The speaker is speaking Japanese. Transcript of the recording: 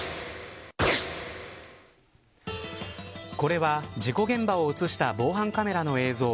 これは事故現場を映した防犯カメラの映像。